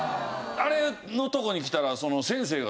あれのとこに来たら先生が